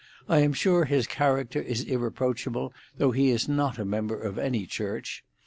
I am sure his character is irreproachable, though he is not a member of any church.